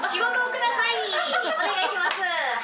お願いします。